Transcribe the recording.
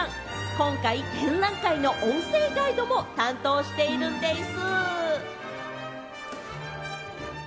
今回、展覧会の音声ガイドも担当しているんでぃす！